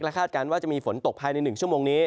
คาดการณ์ว่าจะมีฝนตกภายใน๑ชั่วโมงนี้